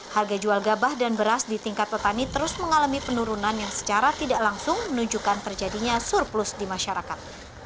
harga jual gabah dan beras di tingkat petani terus mengalami penurunan yang secara tidak langsung menunjukkan terjadinya surplus di masyarakat